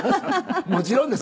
もちろんです。